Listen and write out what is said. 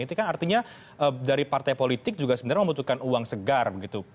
itu kan artinya dari partai politik juga sebenarnya membutuhkan uang segar begitu